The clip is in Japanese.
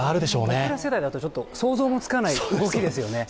僕ら世代では想像もつかない動きですよね。